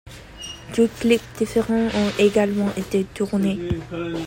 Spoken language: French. Deux clips différents ont également été tournés.